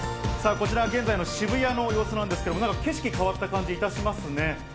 こちらは現在の渋谷の様子なんですけど、なんか景色変わった感じいたしますね。